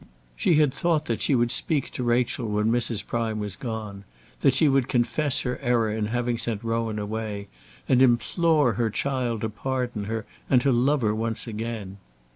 She had thought that she would speak to Rachel when Mrs. Prime was gone, that she would confess her error in having sent Rowan away, and implore her child to pardon her and to love her once again.